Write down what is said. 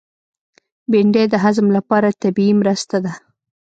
بېنډۍ د هضم لپاره طبیعي مرسته ده